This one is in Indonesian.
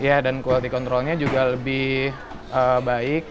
ya dan quality controlnya juga lebih baik